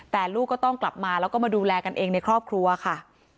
แต่ลูกก็ต้องกลับมาแล้วก็มาดูแลกันเองในครอบครัวค่ะ